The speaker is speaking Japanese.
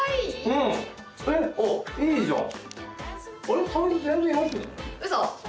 うん、いいじゃん。